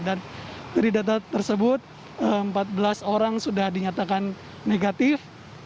dan dari data tersebut empat belas orang sudah dinyatakan negatif